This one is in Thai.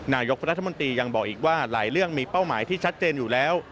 นายกรัฐมนตรียังบอกอีกว่าหลายเรื่องมีเป้าหมายที่ชัดเจนอยู่แล้ว